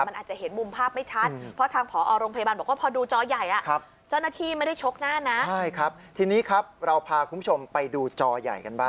มันอาจจะเห็นมุมภาพไม่ชัด